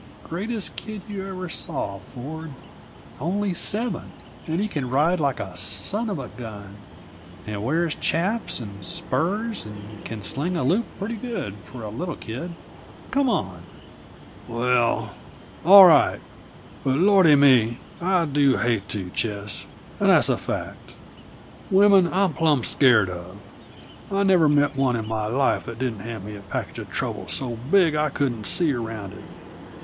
Greatest kid you ever saw, Ford! Only seven, and he can ride like a son of a gun, and wears chaps and spurs, and can sling a loop pretty good, for a little kid! Come on!" "Wel ll, all right but Lordy me! I do hate to, Ches, and that's a fact. Women I'm plumb scared of. I never met one in my life that didn't hand me a package of trouble so big I couldn't see around it.